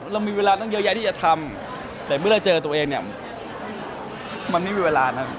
เรามีเวลาตั้งเยอะแยะที่จะทำแต่เมื่อเราเจอตัวเองเนี่ยมันไม่มีเวลานะครับ